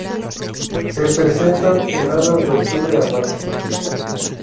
Se presentan heladas de octubre a marzo.